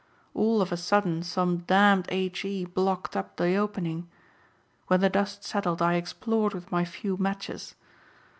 All of a sudden some damned H. E. blocked up the opening. When the dust settled I explored with my few matches.